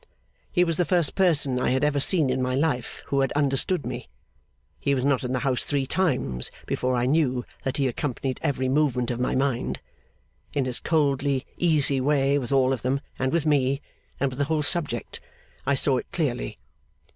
He was the first person I had ever seen in my life who had understood me. He was not in the house three times before I knew that he accompanied every movement of my mind. In his coldly easy way with all of them, and with me, and with the whole subject, I saw it clearly.